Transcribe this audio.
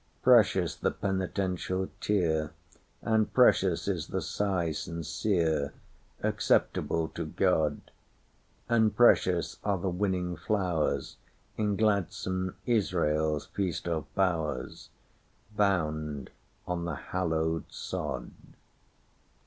Precious the penitential tear; And precious is the sigh sincere; Acceptable to God:And precious are the winning flowers, In gladsome Israel's feast of bowers, Bound on the hallowed sod.